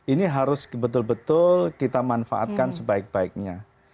ini harus betul betul kita manfaatkan sebaik baiknya